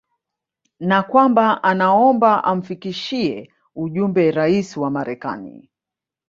na kwamba anaomba amfikishie ujumbe Rais wa Marekani